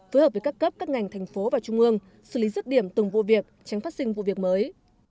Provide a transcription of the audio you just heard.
phối hợp với các cấp các ngành thành phố và trung ương xử lý rứt điểm từng vụ việc tránh phát sinh vụ việc mới